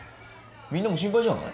みんなも心配じゃない？